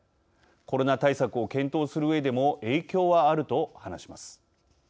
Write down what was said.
コロナ対策を検討するうえでも影響はあると話します。